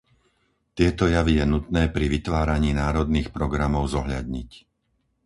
Tieto javy je nutné pri vytváraní národných programov zohľadniť.